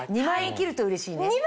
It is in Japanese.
２万円切るとうれしいね。